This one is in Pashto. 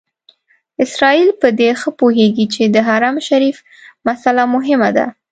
اسرائیل په دې ښه پوهېږي چې د حرم شریف مسئله مهمه ده.